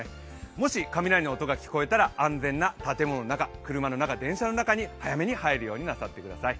もし雷の音が聞こえたら安全な建物の中、車の中、電車の中に早めに入るようになさってください。